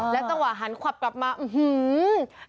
แล้วต่อหันขวับกลับมาหือหื๊น